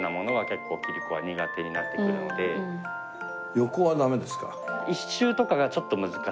横はダメですか？